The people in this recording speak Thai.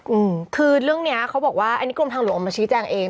อืมคือเรื่องเนี้ยเขาบอกว่าอันนี้กรมทางหลวงออกมาชี้แจงเอง